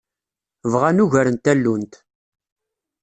Bɣan ugar n tallunt.